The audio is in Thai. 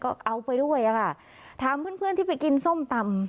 ก็เอาไปด้วยอะค่ะถามเพื่อนเพื่อนที่ไปกินส้มตำ